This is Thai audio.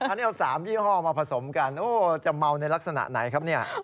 อันนี้เอา๓ยี่ห้อมาผสมกันโอ้จะเมาในลักษณะไหนครับเนี่ย